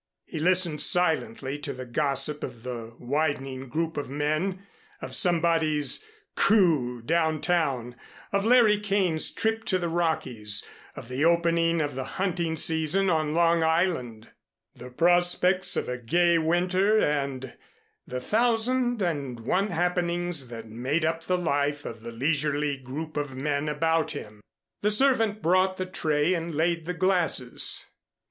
He listened silently to the gossip of the widening group of men, of somebody's coup down town, of Larry Kane's trip to the Rockies, of the opening of the hunting season on Long Island, the prospects of a gay winter and the thousand and one happenings that made up the life of the leisurely group of men about him. The servant brought the tray and laid the glasses.